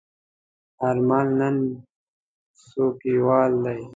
آرمل نن څوکیوال دی.